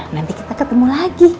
nanti kita ketemu lagi